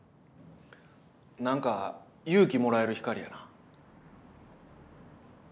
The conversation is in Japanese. なんか勇気もらえる光やな。